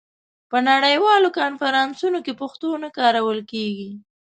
په نړیوالو کنفرانسونو کې پښتو نه کارول کېږي.